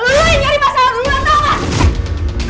lo yang cari masalah sama gua tau gak